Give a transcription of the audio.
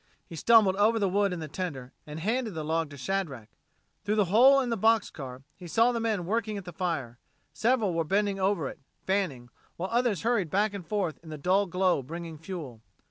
He stumbled over the wood in the tender, and handed the log to Shadrack. Through the hole in the box car he saw the men working at the fire. Several were bending over it, fanning, while others hurried back and forth in the dull glow bringing fuel.